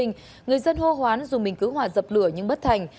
người dân hô hoán dù mình cứu hỏa dập lửa nhưng bất thành